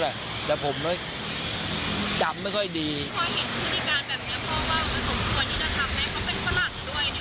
พอเห็นพฤติการณ์แบบนี้เพราะว่าสมมติว่านินธรรมเนี่ยเขาเป็นฝรั่งด้วย